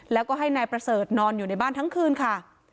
แล้วก็ให้นายประเสริฐนอนอยู่ในบ้านทั้งคืนค่ะ